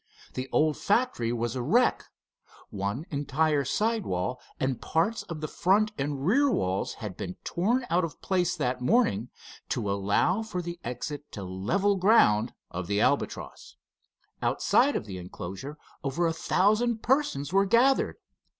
The old factory was a wreck. One entire sidewall and parts of the front and rear walls had been torn out of place that morning, to allow for the exit to level ground of the Albatross. Outside of the enclosure over a thousand persons were gathered.